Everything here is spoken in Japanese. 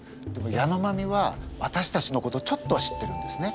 ヤノマミはわたしたちのことをちょっとは知ってるんですね。